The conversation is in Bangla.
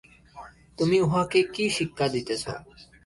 তুমি উহাকে কী শিক্ষা দিতেছ?